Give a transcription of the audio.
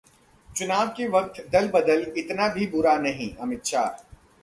चुनाव के वक्त दल-बदल इतना भी बुरा नहीं: अमित शाह